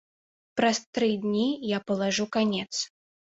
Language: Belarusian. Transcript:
Праз тры дні я палажу канец.